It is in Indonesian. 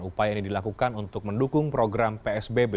upaya ini dilakukan untuk mendukung program psbb